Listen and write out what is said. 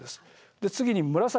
で次に紫。